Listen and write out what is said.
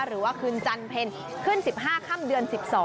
หรือว่าคืนจันเพ็ญขึ้น๑๕ค่ำเดือน๑๒